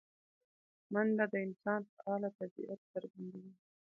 منډه د انسان فعاله طبیعت څرګندوي